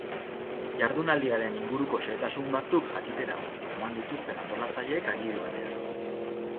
Jardunaldiaren inguruko xehetasun batzuk jakitera eman dituzte antolatzaileek agiri batean.